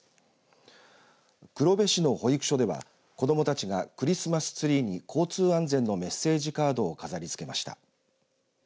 黒部市の保育所では子どもたちがクリスマスツリーに交通安全のメッセージカードを飾りつけました。